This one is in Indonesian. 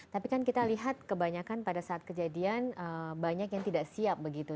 tapi kan kita lihat kebanyakan pada saat kejadian banyak yang tidak siap begitu